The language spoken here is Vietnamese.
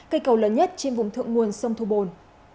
cây cầu lớn nhất trên vùng thượng nguồn sông thu bồn